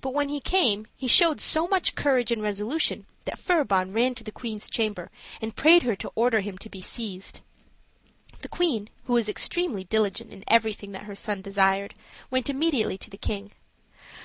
But when he came, he showed so much courage and resolution that Furibon ran to the queen's chamber and prayed her to order him to be seized. The queen, who was extremely diligent in everything that her son desired, went immediately to the king.